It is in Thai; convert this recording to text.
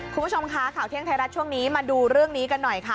คุณผู้ชมคะข่าวเที่ยงไทยรัฐช่วงนี้มาดูเรื่องนี้กันหน่อยค่ะ